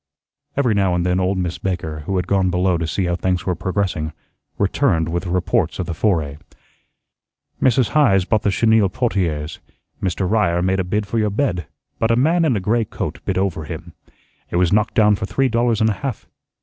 Every now and then old Miss Baker, who had gone below to see how things were progressing, returned with reports of the foray. "Mrs. Heise bought the chenille portieres. Mister Ryer made a bid for your bed, but a man in a gray coat bid over him. It was knocked down for three dollars and a half.